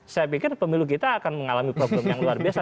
saya pikir pemilu kita akan mengalami problem yang luar biasa